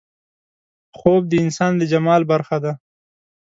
خوب د انسان د جمال برخه ده